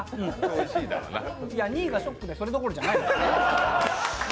２位がショックで、それどころじゃないわ。